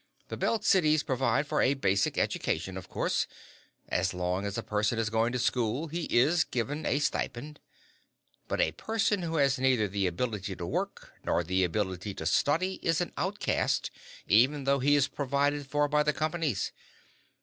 The Belt Cities provide for a basic education, of course. As long as a person is going to school, he is given a stipend. But a person who has neither the ability to work nor the ability to study is an outcast, even though he is provided for by the companies.